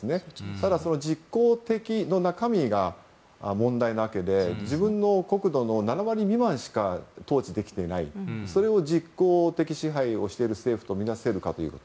ただ、その実効的の中身が問題なわけで、自分の国土の７割未満しか統治できていないそれを実効的支配をしている政府とみなせるかということ。